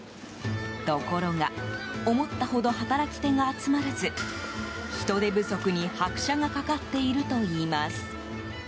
ところが思ったほど働き手が集まらず人手不足に拍車がかかっているといいます。